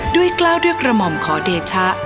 กล้าวด้วยกระหม่อมขอเดชะ